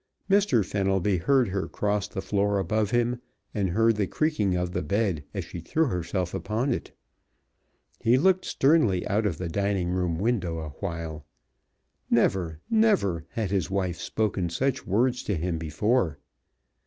Mr. Fenelby heard her cross the floor above him, and heard the creaking of the bed as she threw herself upon it. He looked sternly out of the dining room window awhile. Never, never had his wife spoken such words to him before.